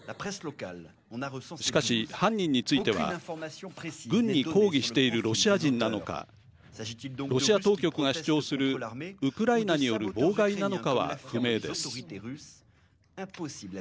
しかし、犯人については軍に抗議しているロシア人なのかロシア当局が主張するウクライナによる妨害なのかは不明です。